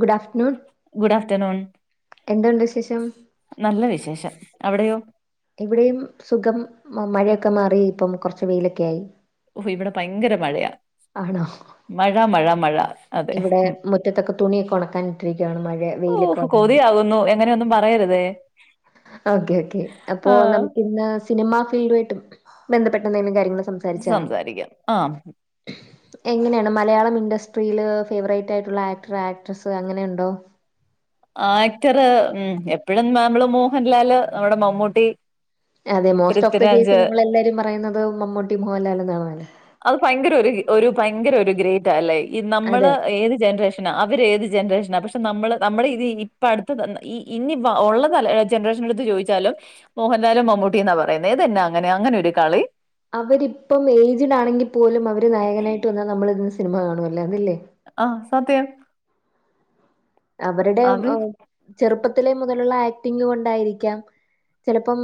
Good afternoon good afternoon എന്തുണ്ട് വിശേഷം നല്ല വിശേഷം അവടെയോ ഇവിടെയും സുഖം മഴയൊക്കെ മാറി ഇപ്പം കോറച്ച് വെയിലൊക്കെ ആയി ഓഹ് ഇവിടെ ഭയങ്കര മഴയാ ആണോ മഴ മഴ മഴ അതെ ഇവിടെ ഉം. മുറ്റത്തൊക്കെ തുണിയൊക്കെ ഉണക്കാനിട്ടിരിക്കുകയാണ് മഴ വെയിലൊക്കെ ഓഹ് വന്നോണ്ട് കൊതിയാകുന്നു എങ്ങനെയൊന്നും പറയരുതേ ഓക്കെ ഓക്കേ അപ്പൊ ആ, നമുക്ക് ഇന്ന് സിനിമാ ഫീൽഡു ആയിട്ട് ബന്ധപ്പെട്ട എന്തെങ്കിലും കാര്യങ്ങള് സംസ സംസാരിക്കാം ആഹ് [inaudible] എങ്ങനെയാണ് മലയാളം ഇൻഡസ്ട്രിയില് ഫേവറേറ്റ് ആയിട്ടുള്ള ആക്ടർ ആക്ട്രസ്സ് അങ്ങനെയുണ്ടോ ആക്ടറ് മം എപ്പഴും നമ്മള് മോഹൻലാല് നമ്മുടെ മമ്മൂട്ടി അതെ most of the Prithviraj case നമ്മൾ എല്ലാരും പറയുന്നത് മമ്മൂട്ടി മോഹൻലാൽ എന്നാണല്ലൊ അല്ലേ അത് ഭയങ്കര ഒരു ഒരു ഭയങ്കര ഒരു ഗ്രേറ്റ് അല്ലേ ഈ അതെ നമ്മള് ഏത് ജനറേഷൻ അവര്ഏത് ജനറേഷനാ പക്ഷെ നമ്മള് നമ്മള് ഇത് ഇപ്പ അടുത്ത് ഇനി ഉള്ള തല ജനറേഷൻ എടുത്ത് ചോയിച്ചാലും മോഹൻലാലും മമ്മൂട്ടി ന്നാ പറയുന്നെ ഇതന്നാ അങ്ങനെ അങ്ങനൊരു കളി അവരിപ്പം ഏജ്ഡ് ആണെങ്കിൽ പോലും അവര് നായകനായിട്ട് വന്നാ നമ്മൾ ഇര്ന്ന് സിനിമ കാണുവല്ലാര്ന്നല്ലേ ആഹ് സത്യം. അവരുടെ അത് ചെറുപ്പത്തിലെ മുതലുള്ള ആക്ടിംഗ് കൊണ്ടായിരിക്കാം ചിലപ്പം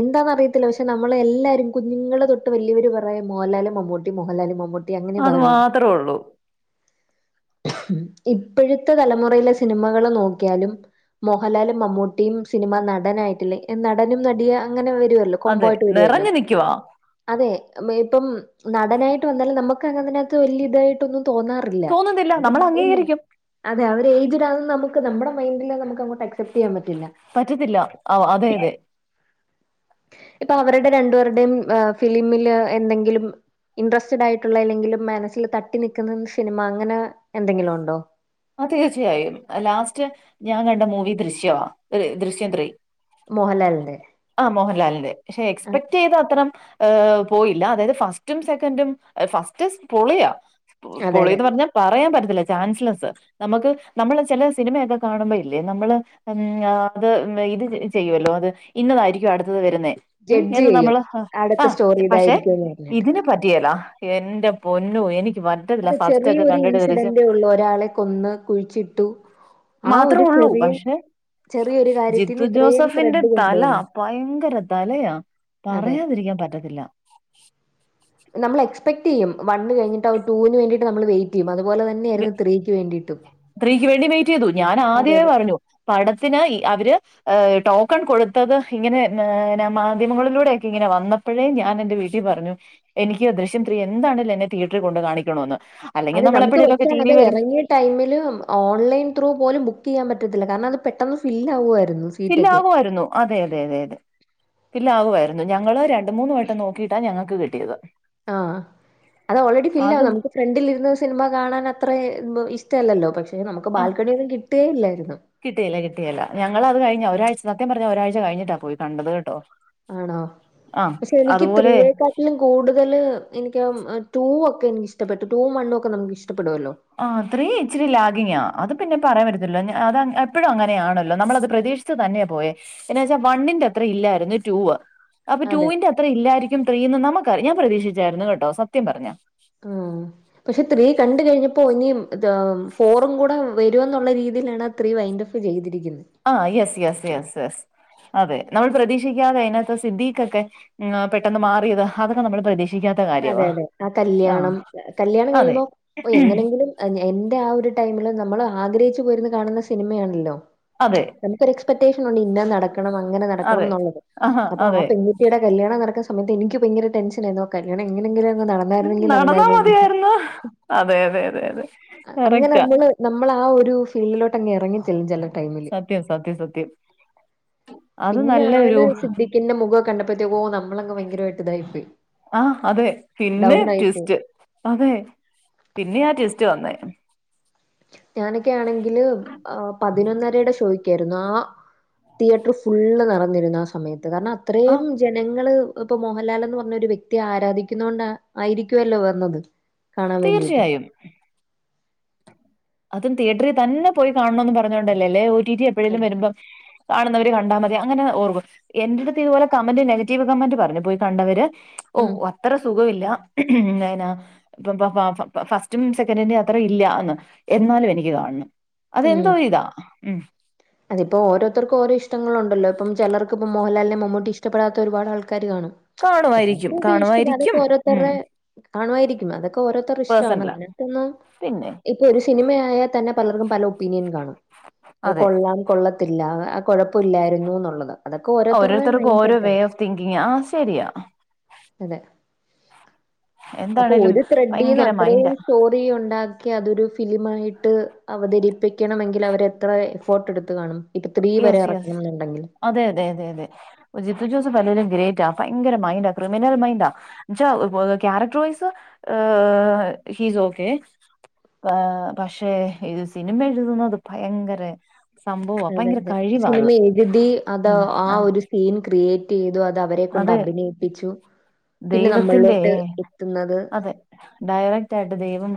എന്താന്നറിയത്തില്ല പക്ഷെ നമ്മൾ എല്ലാരും കുഞ്ഞുങ്ങള് തൊട്ട് വലിയവര് പറയാ മോഹൻലാല് മമ്മൂട്ടി മോഹൻലാല് മമ്മൂ ട്ടി അങ്ങനയേ അത് പറയൂ. മാത്രേ ഉള്ളൂ ഇപ്പോഴത്തെ തലമു റയിലെ സിനിമകള് നോക്കിയാലും മോഹൻലാലും മമ്മൂട്ടിയും സിനിമ നടനായിട്ടില്ല നടനും നടിയാ അങ്ങനെ വരുമല്ലോ. കോമ്പോ അതെ ആയിട്ട് വരുമല്ലോ. നിറഞ്ഞു നിക്കുവാ അതെ മേ ഇപ്പം നടനായിട്ട് വന്നാലും നമുക്ക് അങ്ങ് അയ്നകത്ത് വലിയ ഇതായിട്ടൊന്നും തോന്നാ റില്ല. തോന്നുന്നില്ല അത് നമ്മൾ ഇല്ല. അംഗീകരിക്കും അതെ അവര് ഏജ്ഡ് ആണെന്ന് നമുക്ക് നമ്മുടെ മൈൻഡില് അത് നമുക്ക് ആക്സെപ്റ്റ് ചെയ്യാൻ പറ്റില്ല. പറ്റത്തില്ല അതെ അതെ. ഇപ്പൊ അവരുടെ രണ്ടുപേരുടെയും ഫിലിമില് എന്തെങ്കിലും ഇൻട്രസ്റ്റഡ് ആയിട്ടുള്ള അല്ലെങ്കിലും മനസ്സിൽ തട്ടി നിൽക്കുന്ന സിനിമ അങ്ങനെ എന്തെങ്കിലും ഉണ്ടോ? ആഹ് തീർച്ചയായും. ലാസ്റ്റ് ഞാൻ കണ്ട മൂവി ദൃശ്യവാ ദൃശ്യം ത്രീ. മോഹൻലാലിന്റെ ആഹ് മോഹൻലാലിന്റെ. പക്ഷെ ആ എക്സ്പെക്ട് ചെയ്ത അത്രം ഏഹ് പോയില്ല. അതായത് ഫസ്റ്റും സെക്കൻഡും ഫസ്റ്റ് പൊളിയാ. അതെ അതെ പൊളീന്ന് പറഞ്ഞാൽ പറയാൻ പറ്റത്തില്ല ചാൻസ്‌ലെസ്സ്. നമുക്ക് നമ്മള് ചില സിനിമയൊക്കെ കാണുമ്പോ ഇല്ലേ നമ്മള് ഉം അത് ഇത് ചെയ്യുവല്ലോ അത് ഇന്നതായിരിക്കും അടുത്തത് വരുന്നേ. ഉം ജഡ്ജ് എന്ന് ചെയ്യും. നമ്മള് അടുത്ത ആഹ് സ്റ്റോറി പക്ഷെ ഇതായിരിക്കുംന്ന് പറഞ്ഞിട്ട്. ഇതിന് പറ്റിയേല എന്റെ പൊന്നോ എനിക്ക് പ അത് ചെറിയൊരു ഇൻസിഡന്റേ ഉള്ളൂ. ഒരാളെ കൊന്ന് കുഴിച്ചിട്ടു. ആ മാത്രേ ഒരു ഉള്ളൂ ചെറിയ പക്ഷേ ചെറിയൊരു കാര്യത്തിന്ന് ജിത്തു ഇത്രയും ജോസഫിന്റെ ത്രെഡ് തല കൊണ്ടുവന്നു. ഭയങ്കര തലയാ. അതെ പറയാതിരിക്കാൻ പറ്റത്തില്ല. നമ്മൾ എക്സ്പെക്ട് ചെയ്യും. വൺ കഴിഞ്ഞിട്ട് ടൂവിന് വേണ്ടീട്ട് നമ്മള് വെയിറ്റ് ചെയ്യും. അതുപോലെ ത ത്രീക്ക് വേണ്ടി വെയിറ്റ് ചെയ്തു. ഞാൻ അതെ അതെ. ആദ്യമേ പറഞ്ഞു പടത്തിന് അവര് ഏഹ് ടോക്കൺ കൊടുത്തത് ഇങ്ങനെ ഏഹ് മാധ്യമങ്ങളിലൂടെയൊക്കെ ഇങ്ങനെ വന്ന് പ്പഴേ ഞാൻ എന്റെ വീട്ടിൽ പറഞ്ഞു എനിക്ക് ദൃശ്യംത്രീ എന്താണേലും എന്നെ തിയേറ്ററിൽ കൊണ്ട് കാണിക്കണന്ന്. അല്ലെങ്കി നമ്മളെപ്പഴേലും ചില മക്കൾ എറങ്ങി ഈ ടൈമിലും ഓൺലൈൻ ത്രൂ പോലും ബുക്ക് യ്യാൻ പറ്റത്തില്ല. കാരണം അത് പെട്ടന്ന് ഫില്ല് ആവുവാര്ന്നു. ഫില്ലാവുവാരുന്നു. അതെ അതെ അതെ അതെ ഫില്ലാകുവാരുന്നു. ഞങ്ങള് ര ണ്ട് മൂന്ന് വട്ടം നോക്കിയിട്ടാ ഞങ്ങക്ക് കിട്ടിയത്. ആ അത് ഓൾറെഡി അത് ഫില്ലാകും നമുക്ക് ഫ്രണ്ടിലിര്ന്ന് സിൽമ കാണാൻ അത്രേ ഇഷ്ടമല്ലല്ലോ. പക്ഷെ നമുക്ക് ബാൽക്കണിയൊന്നും കിട്ടേ ഇല്ലാര്ന്നു. കിട്ടിയേല കിട്ടിയേല. ഞങ്ങള് അത് കഴിഞ്ഞാ ഒരാഴ്ച സത്യം പറഞ്ഞാ ഒരാഴ്ച കഴിഞ്ഞിട്ടാ പോയി കണ്ടത് കേട്ടോ. ആണോ. ആ പക്ഷെ എനിക്ക് അതുപോലെ ത്രീയേക്കാൾ ലും കൂടുതല് എനിക്ക് ആഹ് ടൂ ഒക്കെ എനിക്കിഷ്ടപ്പെട്ടു. ടുവും വണ്ണും ഒക്കെ നമുക്ക് ഇഷ്ടപ്പെടുവല്ലോ. ആ ത്രീ ഇച്ചിരി ലാഗിങ്ങാ. അത് പിന്നെ പറയാൻ പറ്റത്തില്ലല്ലോ. അത് എപ്പോഴും അങ്ങനെയാണല്ലോ നമ്മളത് പ്രതീക്ഷി ച്ച് തന്നെയാ പോയെ. എന്നു വെച്ചാൽ വണ്ണിന്റെ അത്രേം ഇല്ലായിരുന്നു റ്റൂവ്. അപ്പൊ അതെ. റ്റൂവിന്റെ അത്രേം ഇല്ലായിരിക്കും ത്രീ എന്ന് നമുക്കറി ഞാൻ പ്രതീക്ഷിച്ചാരുന്നു കേട്ടോ സത്യം പറഞ്ഞാ. ഉം പക്ഷെ ത്രീ കണ്ടു കഴിഞ്ഞപ്പോ ഇഞ്ഞി ഇത് ഫോറും കൂടെ വരുമെന്നുള്ള രീതിയിലാണ് ത്രീ വൈൻഡപ്പ് ചെയ്തിരിക്കുന്നേ. ആ യെസ് യെസ് യെസ് എസ് അതെ നമ്മൾ പ്രതീക്ഷിക്കാതെ അയ്നകത്ത് സിദ്ധിഖ് ഒക്കെ ഉം പെട്ടെന്ന് മാറിയത് അതൊക്കെ നമ്മൾ പ്രതീ അതെ അതെ. ആ കല്യാണം. കല്ല്യാണം അതെ കഴിയുമ്പോ ഓ എങ്ങനെങ്കിലും എന്റെ ആ ഒരു ടൈമില് നമ്മള് ആഗ്രഹിച്ചു പോയിരുന്നു കാണുന്ന സിനിമയാണല്ലോ അതെ നമുക്കൊര് എക്സ്പറ്റേഷൻ ഉണ്ട് ഇന്ന നടക്കണം അങ്ങനെ നടക്കണം അതെ എന്നുള്ളത് ആഹാ അപ്പൊ ആ പെൺ അതെ കു പെൺക്കുട്ടിയുടെ കല്യാണം നടക്കുന്ന സമയത്ത് എനിക്ക് ഭയങ്കര ടെൻഷൻ ആയിരുന്നു ആ കല്യാണം എങ്ങനെങ്കിലും ഒന്നു നടന്ന് നടന്നാ മതിയാരുന്നു അതെ അതെ അതെ അതെ അങ്ങനെ കറക്റ്റാ നമ്മള് നമ്മള് ആ ഒരു ഫീൽഡിലോട്ട് അങ്ങ് ഇറങ്ങി ചെല്ലും ചലര് സത്യം സത്യം സത്യം [inaudible] അത് നല്ലൊരു പിന്നെയാണ് സിദ്ദിഖിന്റെ മുഖം ഒക്കെ കണ്ടപ്പഴത്തേക്കോ നമ്മളങ്ങ് ഭയങ്കരമായിട്ട് ഇതായി പോയി ആ അതെ പിന്നെ ട്വിസ്റ്റ് അതെ പിന്നെയാ ആ ട്വിസ്റ്റ് വന്നേ ഞാനൊക്കെ ആണെങ്കില് പതിനൊന്നരയുടെ ഷോയ്ക്കായിരുന്നു ആ തിയേറ്ററ് ഫുള്ള് നിറഞ്ഞിരുന്നു ആ സമയത്ത് കാരണം അത്രയും ആഹ് ജനങ്ങള് ഇപ്പ മോഹൻലാല് എന്ന് പറഞ്ഞ ഒരു വ്യക്തിയെ ആരാധിക്കുന്ന കൊണ്ട ആയിരിക്കുവല്ലോ വന്നത് കാണാൻ വേണ്ടിയിട്ട് തീർച്ചയായും അതും തിയറ്ററിൽ തന്നെ പോയി കാണണോന്ന് പറഞ്ഞതോണ്ടല്ലേ അല്ലേൽ ഒ ട്ടി ട്ടി എപ്പഴേലും അതെ. വരുമ്പോ കാണുന്നവര് കണ്ടാ മതി അങ്ങനെ ഓർവ് എന്റ അടുത്ത് ഇതുപോലെ കമന്റ് നെഗറ്റീവ് കമന്റ് പറഞ്ഞു പോയി കണ്ടവര് ഔ ഉം. അത് അത്ര സുഖമില്ല പിന്നെ [unintelligible] ഫസ്റ്റും സെക്കന്റിന്റെ അത്ര ഇല്ലാന്ന് എന്നാലും എനിക്ക് കാണണം ഉം. അതെന്തോ ഇതാ അതിപ്പോ ഓരോത്തർക്ക് ഓരോ ഇഷ്ടങ്ങളുണ്ടല്ലേ ഇപ്പം ചെലർക്ക് ഇപ്പം മോഹൻലാൽനേ മമ്മൂട്ടി ഇഷ്ടപ്പെടാ ത്ത ഒരുപാട് ആൾക്കാര് കാണും കാണുമായിരിക്കും ചെലോര്ക്ക് ത് ഇഷ്ടമില്ല അതൊക്കെ കാണുമായിരിക്കും ഉം ഓരോർത്തറേ കാണുവായിരിക്ക്യും അതൊക്കെ ഓരോരുത്തറേ ഇഷ്ടമാണ് പേഴ്സണലാ അങ്ങനത്തെ ഒന്നും പിന്നെ ഇപ്പ ഒരു സിനിമയായാ ത്തന്നെ പലർക്കും പല ഒപ്പീനിയൻ കാണും അതെ കൊള്ളാം കൊള്ളത്തില്ല അക് കൊഴപ്പ ഇല്ലാരുന്നു എന്നുള്ളത് അതൊക്കെ ഓരോരുത്തരുടെയും ഓരോരുത്തർക്കും മൈൻഡ് ഓരോ സെറ്റ് വേ ആണ് ഓഫ് തിങ്കിങ് ആ ശരിയാ അതെ അപ്പൊ എന്താണേലും ഒരു ത്രഡീന്ന് ഭയങ്കര അത്രയും മൈൻഡാ ചോത് ഉണ്ടാക്കി അതൊരു ഫിലിമായിട്ട് അവതരിപ്പിക്കണമെങ്കിൽ അവരെത്ര എഫോട്ട് എടുത്ത് കാണും ഇപ്പൊ ത്രീ വരെ യെസ് യെസ് ഇറക്കണം എന്നുണ്ടെങ്കിൽ അതെ അതെ അതെ അതെ ജിത്തു ജോസഫ് അല്ലേലും ഗ്രേറ്റ് ആ ഭയങ്കര മൈൻഡ ആ ക്രിമിനൽ മൈൻഡാ ജോ കാരക്ക്റ്റർ വൈസ് ഹിസ് ഓക്കെ പക്ഷേ ഇത് സിനിമ എഴുതുന്നത്ത് ഭയങ്കര സംഭവം അതെ അതെ സിനിമ എഴുതി അത് ആ ഒരു സീൻ ക്രിയേ റ്റ്ചെയ്തു അത് അവരെ കൊണ്ട് അത് അഭിനയിപ്പിച്ചു പിന്നെ ദൈവത്തിന്റെ നമ്മളിലോട്ട് എത്തുന്നത് അതെ ഡയറക്റ്റ് ആയിട്ട് ദൈവം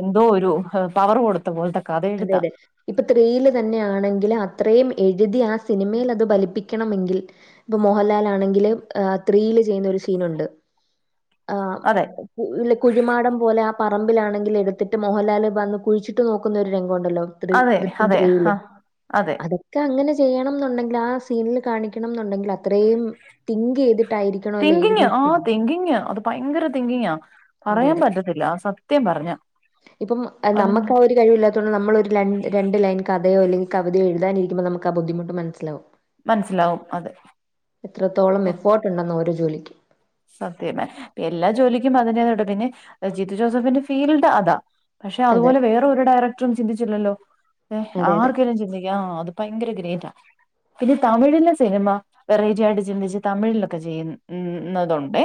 എന്തോ ഒരു പവർ കൊടുത്ത പോലെത്തെ അതെ അതെ ഇപ്പൊ ത്രീയില് തന്നെ ആണെങ്കിൽ അത്രയും എഴുതി ആ സിനിമൽ അത് ഫലിപ്പിക്കണമെങ്കിൽ ഇപ്പൊ മോഹൻലാൽ ആണെങ്കിൽ ത്രിയില് ചെയ്യുന്ന ഒരു സീനുണ്ട് ആ അതെ കുഴിമാടം പോലെ ആ പറമ്പിലാണെങ്കിൽ എടുത്തിട്ട് മോഹൻലാല് വന്ന് കുഴിച്ചിട്ട് നോക്കുന്ന ഒരു രംഗമുണ്ടല്ലോ അതെ ത്രിദൃശ്യം അതെ ത്രിയില് ആ അതെ അതെക്കെഅങ്ങനെ ചെയ്യണം എന്നുണ്ടെങ്കിൽ ആ സീനിൽ കാണിക്കണം എന്നുണ്ടെങ്കിൽ അത്രയും തിങ്ക് ചെയ്തിട്ടായിരിക്കണമല്ലോ തിങ്കിങ് ആ എഴുതിയിരിക്കുന്നത് തിങ്കിങ് അത് ഭയങ്കര തിങ്കിങ്ങാ അതെ പറയാൻ അതെ പറ്റത്തില്ല സത്യം പറഞ്ഞ ഇപ്പം അതിന് നമുക്ക് ആ ഒരു കഴിവില്ല നമ്മൾ ഒരു രണ്ട് ലൈൻ കഥയോ അല്ലെ കവിതയോ എഴുതാനിരിക്കുമ്പോ നമുക്ക് ആ ബുദ്ധിമുട്ട് മനസ്സിലാവും മനസ്സിലാവും അത് എത്രത്തോളം എഫോർട്ട് ഉണ്ടെന്നോ ഓരോ ജോലിക്ക് സത്യം എല്ലാ ജോലിക്കും അതിന്റേതടെ പിന്നെ ജിത്ത് ജോസഫിന്റെ ഫീൽഡ് അതാ പക്ഷെ അതെ അതുപോലെ വേറെ ഒരു ഡയറക്ടറും ചിന്തിച്ചില്ലല്ലോ അതെ അതെ ആർക്കെങ്കിലും ചിന്തിക്കാം ആ അത് ഭയങ്കര ഗ്രേറ്റാ പിന്നെ തമിഴിലെ സിനിമ വെറേറ്റി ആയിട്ട് ചിന്തിച്ച് തമിഴിലൊക്കെ ചെയ്യും ഉ ഇന്നത് ഒണ്ടെ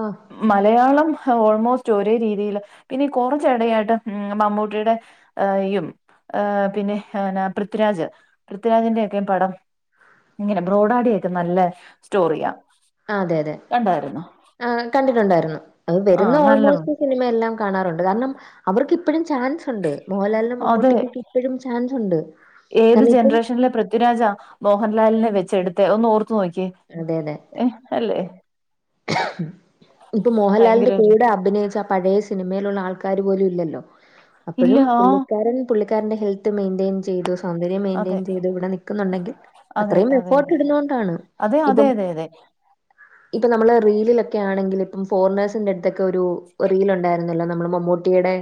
ഓ മലയാളം ഓൾമോസ്റ്റ് ഒരേ രീതിയില് പിന്നെ കുറച്ചെടയായിട്ട് മമ്മൂട്ടിയുടെ ഈ ഏ പിന്നെ പൃഥ്വിരാജ് പൃഥ്വിരാജിന്റെ ഒക്കെ പടം ഇങ്ങനെ ബ്രോഡാഡി ഒക്കെ നല്ല സ്റ്റോറിയാ ആഹ് അതെ അതെ കണ്ടായിരുന്നോ ആ കണ്ടിട്ടുണ്ടായിരുന്നു അത് വരുന്ന ആഹ് നല്ല ഓൾമോസ്റ്റ് സിനിമയെല്ലാം കാണാറുണ്ട് കാരണം അവർക്ക് ഇപ്പഴും ചാൻസ് ഉണ്ട് മോഹൻലാലിന് അത് മമ്മൂട്ടിക്കൊക്കെ ഇപ്പോഴും ചാൻസ് ഉണ്ട് കാരണം ഇപ്പം അല്ലപൃഥ്വിരാജാ മോഹൻലാലിനെ വെച്ച എടുത്ത് ഒന്ന് ഓർത്തു നോക്കി അതെ അതെ ഏ അല്ലേ ഇപ്പൊ മോഹൻലാലിന്റെ ഭയങ്കര ഒരു കൂടെ അഭിനയിച്ച പഴയ സിനിമയിലുള്ള ആൾക്കാർ പോലും ഇല്ലല്ലോ ഇല്ല അപ്പോഴും ആഹ് പുള്ളിക്കാരൻ പുള്ളിക്കാരന്റെ ഹെൽത്ത് മെയ്ന്റെയ്ൻ ചെയ്തു സൗന്ദര്യം അതെ മെയ്ന്റെയ്ൻ ചെയ്ത് ഇവിടെ നിക്കുന്നുണ്ടെങ്കിൽ അതെ അത്രയും അതെ അതെ എഫോർട്ട് ഇടുന്ന കൊണ്ടാണ് അതെ അതെ അതെ അതെ ഇപ്പൊ നമ്മള് റീലിലൊക്കെ ആണെങ്കിൽ ഇപ്പം ഫോറിനേഴ്സിന്റെ അടുത്തൊക്കെ ഒരു റീൽ ഉണ്ടായിരുന്നല്ലോ നമ്മുടെ മമ്മൂട്ടിയുടെ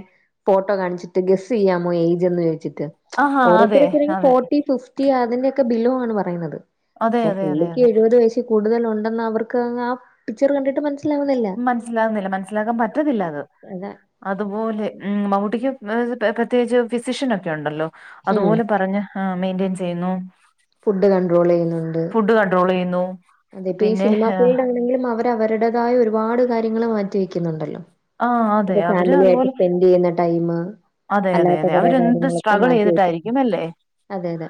ഫോട്ടോ കാണിച്ചിട്ട് ഗസ് ചെയ്യാമോ ഏജ് എന്ന് ചോദിച്ചിട്ട് ആഹാ അതെ ഓരോത്തരക്കെ ഇങ്ക അതെ ഫോർട്ടി ഫിഫ്റ്റി അതിന്റെ ഒക്കെ ബിലുആണ് പറയുന്നത് അതെ പക്ഷെ അതെ അതെ പുള്ളിക്ക് അതെ എഴുപത് വയസ് കൂടുതല ഒണ്ടെന്ന് അവർക്ക് ആ പിക്ചർ കണ്ടിട്ട് മനസ് മനസ്സിലാകുന്നില്ല മനസിലാക്കാൻ പറ്റത്തില്ല അത് അതെ അതുപോലെ ഉം മമ്മൂട്ടിക്ക് പ്രത്യേകിച്ച് ഫിസിഷ്യൻൊക്കെ ഉണ്ടല്ലോ ഉം അതുപോലെ പറഞ്ഞ ആഹ് മെയിന്റയിൻ ചെയ്യുന്നു ഫുഡ് കൺട്രോൾ ചെയ്യുന്നുണ്ട് ഫുഡ് കൺട്രോള്യ്യുന്നു അതെ ഇപ്പ ഈ സിനിമാ ഫീൽഡ് ആണെങ്കിലും അവര അവരുടേതായ ഒരുപാട് കാര്യങ്ങള് മാറ്റി വെക്കുന്നുണ്ടല്ലോ ആ അതെ അപ്പൊ അവര് ഫാമിലി ആയിട്ട് അതുപോലെ സ്പെൻഡ്‌ ചെയ്യുന്ന ടൈമ് അതെ അതെ അല്ലാത്ത അതെ കൊറെ അവരെന്ത് കാര്യങ്ങളൊക്കെ സ്ട്രഗിൾ മാറ്റി വെച്ചിണ്ട് ചെയ്തിട്ടായിരിക്കും അല്ലേ അതെ അതെ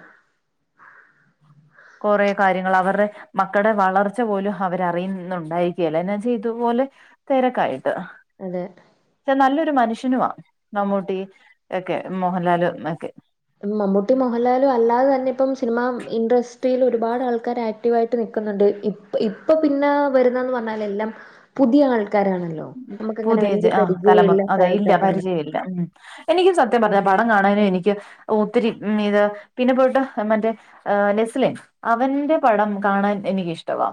കൊറ കാര്യങ്ങൾ അവറെ മക്കടെ വളർച്ച പോലും അവരറിയുന്നുണ്ടായിരിക്കുകയല്ല എന്നാച്ച ഇതുപോലെ തിരക്കായിട്ട് ഉം പക്ഷെ നല്ലൊരു മനുഷ്യനുമാ ആഹ് മമ്മൂട്ടി ഒക്കെ മോഹൻലാലുമൊക്കെ മമ്മൂട്ടി മോഹൻലാലും അല്ലാതെ തന്നെ ഇപ്പം സിനിമ ഇൻഡസ്ട്രിയിൽ ഒരുപാട് ആൾക്കാർ ആക്ട്- വായിട്ട് നിക്കുന്നുണ്ട് ഇ ഇപ്പൊ പിന്നെ വരുന്നന്ന് പറഞ്ഞാൽ എല്ലാം പുതിയ ആൾക്കാരാണല്ലോ നമുക്കങ്ങനെ പുതിയ വലിയ ആഹ് പരിചയം തലമുറ ഇല്ലാത്ത അതെ ഇല്ല ആൾക്കാരാണ് പരിചയല്ല എനിക്കും സത്യം പറഞ്ഞ പടം കാണാനും എനിക്ക് ഒത്തിരി ഉം ഇത് പിന്നെ പോയിട്ട് മറ്റേ ആഹ് നെസ്ലിൻ അവന്റെ പടം കാണാൻ എനിക്കിഷ്ടവാ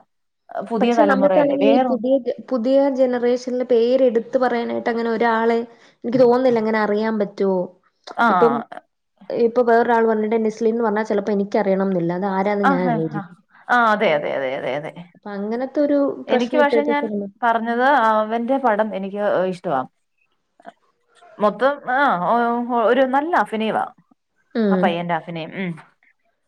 പുതിയ പക്ഷെ തലമുറയല്ലേ നമ്മുക്കാണെങ്കിൽ ഈ വേറൊ പുതിയ പുതിയ ജനറേഷനിൽ പേരെടുത്ത് പറയാനായിട്ട് അങ്ങനെ ഒരാളെ എനിക്ക് തോന്നില്ല എങ്ങനെ അറിയാൻ പറ്റുവോ ആ ഇപ്പം ഇപ്പൊ വേറൊരാൾ പറഞ്ഞിട്ട് നെസ്ലിന്ന് പറഞ്ഞാൽ ചെലപ്പോ എനിക്കറിയണന്നില്ല അത് ആ ആഹ് ആഹ് അതെ അതെ അതെ അതെ അതെ അപ്പ അങ്ങനത്തെ ഒരു പ്രശ്നം ഇപ്പോഴത്തെ സിനിമ അതായതു അവന്റെ പടം എനിക്ക് ഇഷ്ടവാ മൊത്തം ആഹ് ഒരു നല്ല അഭിനയവാ ആ ഉം പയ്യൻന്റെ അഭിനയം ഉം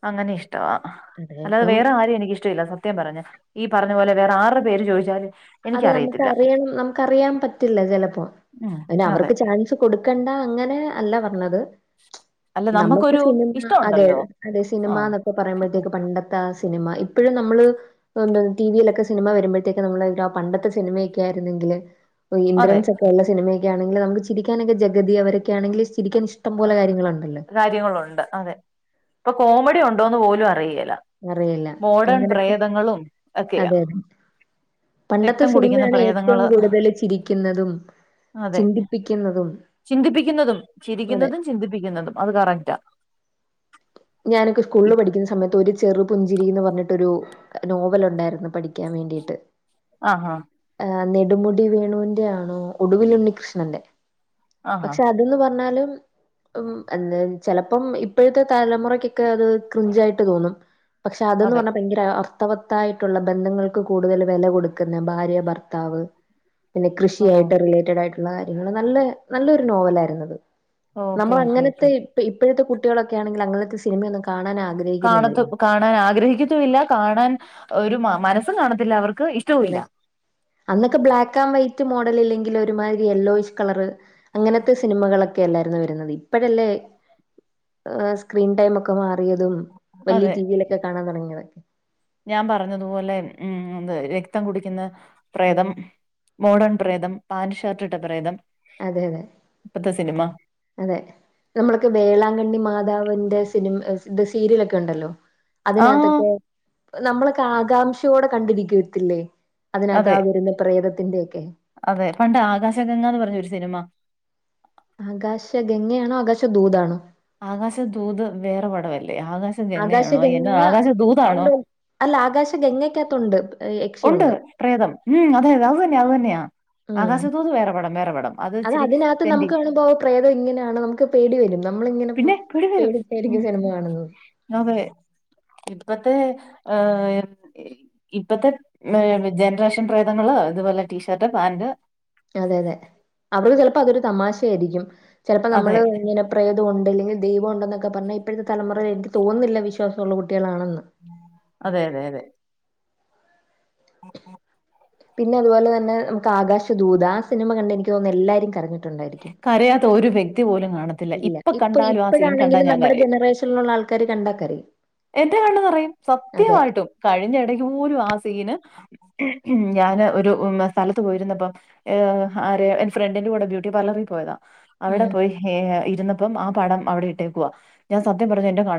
അങ്ങനെ ഇഷ്ടവാ അതെ അല്ലാതെ ഇപ്പം വേറെ ആരം എനിക്ക് ല്ല സത്യം പറഞ്ഞ ഈ പറഞ്ഞ പോലെ വേറെ ആറ്ടെ പേര് ചോദിച്ചാലും അതെ എനിക്കറിയത്തില്ല നമുക്ക്റിയണം നമുക്ക്റിയാൻ പറ്റില്ല ചെലപ്പോ ഉം അയിന് അതെ അവർക്ക് ചാൻസ് കൊടുക്കണ്ട അങ്ങനെ അല്ല പറഞ്ഞത് അല്ല നമുക്ക് നമ്മുക്കൊരു സിനിമ അതെ ഇഷ്ടമുണ്ടല്ലോ അതെ സിനിമ ആ ന്നൊക്കെ പറയുമ്പത്തേക്കും പണ്ടത്തെ ത്താ ആ സിനിമ ഇപ്പോഴും നമ്മള് ടി വിയിലൊക്കെ സിനിമ വരുമ്പഴത്തേക്കും നമ്മള് പണ്ടത്തെ സിനിമയൊക്കെ ആരുന്നെങ്കില് അതെ ഇന്ദ്രൻസ് ഒക്കെ ഉള്ള സിനിമയെ ക്കേ ഒക്കെണെങ്കിൽ നമുക്ക് ചിരിക്കാനൊക്കേ ജഗതി അവരൊക്കെണെങ്കിൽ ചിരിക്കാനൊക്കെ ഇഷ്ടം പോല കാര്യങ്ങളുണ്ടല്ലോ കാര്യങ്ങളുണ്ട് അതെ ഇപ്പൊ കോമഡി ഉണ്ടോന്ന് പോലും അറിയില്ല അറിയില്ല. മോഡേൺ അങ്ങനത്തെ പ്രേതങ്ങളും ഒക്കെയാ അതെ, അതെ. പണ്ടത്തെ രക്തം കുടിക്കുന്ന സിനിമയാണ് ഏറ്റവും പ്രേതങ്ങള് കൂടുതൽ ചിരിക്കുന്നതും അതെ ചിന്തിപ്പിക്കുന്നതും ചിന്തിപ്പിക്കുന്നതും അതെ. ചിരിക്കുന്നതും ചിന്തിപ്പിക്കുന്നതും അത് കറക്റ്റാ ഞാനൊക്ക സ്കൂളിൽ പഠിക്കുന്ന സമയത്ത് ഒരു ചെറു പുഞ്ചിരി എന്ന് പറഞ്ഞിട്ടൊരു നോവൽ ഉണ്ടായിരുന്നു പഠിക്കാൻ വേണ്ടിയിട്ട് ആഹ് ആഹ് നെടുമുടി വേണുവിന്റെ ആണോ ഒടുവിലുണ്ണി കൃഷ്ണന്റെ ആഹാ പക്ഷെ അ ത് ന്ന് പറഞ്ഞാലും ഉം എനേം ചെലപ്പം ഇപ്പഴ്‌ത്തെ തലമുറക്കൊക്കെ അത് ക്രിഞ്ചായിട്ട് തോന്നും. പക്ഷെ അതെന്ന് അതെ പറഞ്ഞാ ഭയങ്കരെ അർത്തവത്തായിട്ടുള്ള ബന്ധങ്ങൾക്ക് കൂടുതല് വെല കൊടുക്കുന്ന ഭാര്യ- ഭർത്താവ് പിന്നെ ഓ കൃഷിയായിട്ടാ റിലേറ്റടായിട്ട- ള്ള കാര്യങ്ങള് നല്ല നല്ലൊരു നോവലായിരുന്നത് ഓക്കെ ഓക്കെ ഓക്കെ ന്നമ്മളങ്ങനത്തെ- ഇപ്പ ഇപ്പഴത്തെ കുട്ടികളക്കെയാണെങ്കിൽ അങ്ങനത്തെ സിനമയൊന്നും കാണാനാഗ്ര- കാണത്തും പ്പ കാണാൻ ആഗ്രഹിക്കത്തുവില്ല കാണാൻ ഒരു മ മനസ്സും കാണത്തില്ല അവർക്ക് ഇഷ്- അനെ അന്നൊക്കെ ബ്ലാക്കാൻ വൈറ്റ് മോഡലില്ലെങ്കി ലൊരുമായ്രി യെല്ലോയിഷ് കളറ്. അങ്ങനത്തെ സിനിമകളെക്കെ അല്ലായിര്ന്നോ വരുന്നത് ഇപ്പഴല്ലേ- ഏ സ്ക്രീൻ ടൈം ഒക്കെ മാറിയതും, വലിയ അതെ ടിവിയിലൊക്കെ കാണാൻ തുടങ്ങിയതൊക്കെ. ഞാൻ പറഞ്ഞതുപോലെ ഉം ഉം അതെ രക്തം കുടിക്കുന്ന പ്രേതം. മോഡേൺ പ്രേതം പാന്റ് ഷർട്ടും ഇട്ട പ്രേതം. അതെ അതെ ഇപ്പത്തെ സിനിമ അതെ നമ്മളൊക്കെ വേളാങ്കണ്ണി മാതാവിന്റെ സിനിമ ഇത് സീരേലൊക്കെ ഉണ്ടല്ലോ. ആഹ് അതിനകത്തൊക്കെ നമ്മളൊക്കെ ആകാംക്ഷയോടെ കണ്ടിരിക്കത്തില്ലേ. അതിനകത്ത് അതെ ആ വെരുന്ന പ്രേതത്തിന്റെയോക്കെ അതെ പണ്ട് ആകാശഗംഗാന്ന് പറഞ്ഞൊരു സിനിമ. ആകാശ ഗംങ്ങയാണോ ആകാശ ദൂതാണോ? ആകാശദൂത് വേറെ പടവല്ലേ, ആകാശഗംങ്ങയാണോ എതാ ആകാശഗംഗ ആകാശദൂതാണോ? ഉണ്ട് അല്ല ആകാശഗംങ്ങക്കത്തുണ്ട്. ഉണ്ട് പ്രേതം ഉം അതെതെ അത് തന്നെയ അത് തന്നെയാ, ഉം ആകാശദൂത് വേറെ പടം വേറെ പടം അത്. അത് ഇച്ചിരി അതിനകത്ത് തെണ്ടി നമുക്ക് കാണുമ്പോ പ്രേതം ഇങ്ങനെയാണ് നമുക്ക് പേടി വെരും. നമ്മളിങ്ങനെ പ്പം പിന്നെ പേടി പേടിച്ച് സിനിമ കാണുന്നു നൊവേ ഇപ്പത്തെ ഏഹ് എ- ഇപ്പത്തെ മേ ജൻറേഷൻ പ്രേതങ്ങള് ഇതുപോലെ ടീഷർട്ട് പാന്റ് അതെ അതെ അവ്ള് ചെലപ്പൊ അതൊരു തമാശയായിരിക്കും ചെലപ്പൊ അതെ നമ്മള് ഇങ്ങനെ. പ്രേതം ഉണ്ട് അല്ലെങ്കിൽ ദൈവം ഉണ്ടെന്നൊക്കെ പറഞ്ഞാ ഇപ്പഴത്തെ തലമുറ എനിക്ക് തോന്നുന്നില്ല വിശ്വാസുള്ളാ കുട്ടികളാണെന്ന്. അതെ അതെ അതെ ഉ ഉ പിന്നെ അതുപോലെ തനെ നമുക്ക് ആകാശദൂത് ആ സിനിമ കണ്ട് എനിക്ക് തോന്നുന്നു എല്ലാരും കരഞ്- ണ്ടായിരിക്കും കരയാത്ത ഒരു വ്യക്തി പോലും കാണത്തില്ല ഇല്ല ഇപ്പൊ ഇപ്പ കണ്ടാലും ആ സീൻ കണ്ടാൽ ഇപ്പഴാണെങ്കിലും ഞാൻ നമ്മുടെ കരയും ജനറേഷനിലുള്ള ആൾ- ക്കാര് കണ്ട കരയും. എന്റെ കണ്ണ് നിറയും അതെ. സത്യമായിട്ടും കഴിഞ്ഞ ഇടക്ക് പോലും ആ സീന് ഉം ഞാന് ഒരു ഉം സ്ഥലത്ത് പോയിരുന്നപ്പം ഏഹ് ആര് എന്റെ ഫ്രണ്ടിന്റെ കൂടെ ബ്യൂ- ട്ടീ പാർലറിപോയതാ അവിടെ ഉം. പോയി. ഹേ ഹ ഇരുന്നപ്പം ആ പടം അവിടെ ഇട്ടേക്കുവാ ഞാൻ സത്യം പറഞ്ഞ എന്റെ കണ്ണ്